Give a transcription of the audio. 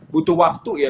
butuh waktu ya